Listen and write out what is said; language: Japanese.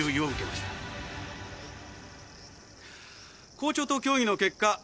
校長と協議の結果